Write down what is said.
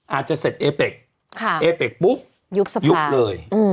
อาจจะเสร็จเอเป็กเอเป็กปุ๊บยุบสภายุบเลย